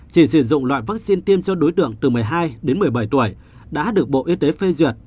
chỉ sử dụng loại vaccine tiêm cho đối tượng từ một mươi hai đến một mươi bảy tuổi đã được bộ y tế phê duyệt